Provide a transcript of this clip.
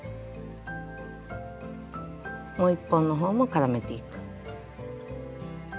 もう一本の方も絡めていく。